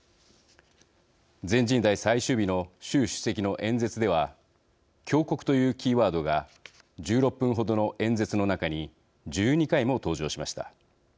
全人代最終日の習主席の演説では強国というキーワードが１６分程の演説の中に１２回も登場しました。